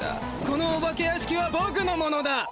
このお化け屋敷はボクのものだ！